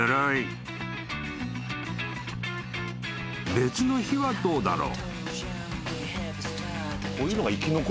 ［別の日はどうだろう？］